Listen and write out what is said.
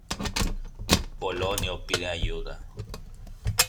Polonio pide ayuda.